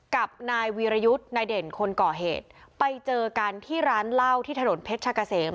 กับนายวีรยุทธ์นายเด่นคนก่อเหตุไปเจอกันที่ร้านเหล้าที่ถนนเพชรกะเสม